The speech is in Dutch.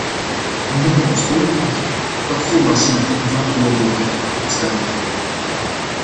We moeten ons politiek echt wat volwassener en verantwoordelijker opstellen.